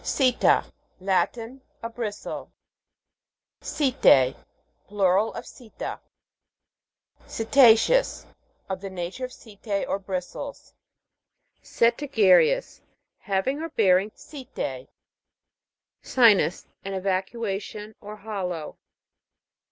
SE'TA. Latin. A bristle. SE'. Plural of seta. SETA'CEOUS. Of the nature of setae or bristles. SETI'GEROUS. Having or bearing setae. SI'NUS. An excavation or hollow.